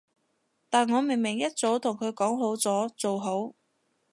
但我明明一早同佢講好咗，做好